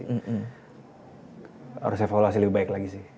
harus evaluasi lebih baik lagi sih